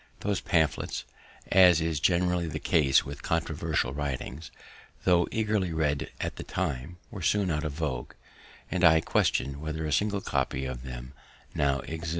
Those pamphlets, as is generally the case with controversial writings, tho' eagerly read at the time, were soon out of vogue, and I question whether a single copy of them now exists.